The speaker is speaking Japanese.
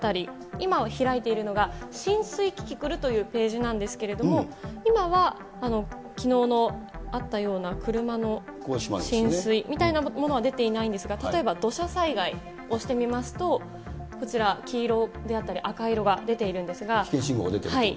今開いているのが、浸水キキクルというページなんですけれども、今はきのうあったような車の浸水みたいなものは出ていないんですが、例えば、土砂災害、押してみますと、こちら、黄色であったり赤色が出ているん危険信号が出てくるというこ